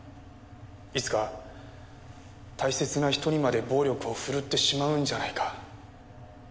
いつか大切な人にまで暴力を振るってしまうんじゃないか。